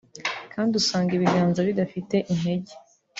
kandi usanga ibiganza bidafite intege